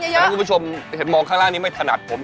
เดี๋ยวให้คุณผู้ชมแค่มองข้างล่างนี้ไม่ถนัดผม